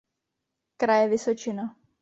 Kraje Vysočina.